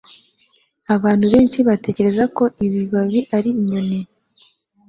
Abantu benshi batekereza ko ibibabi ari inyoni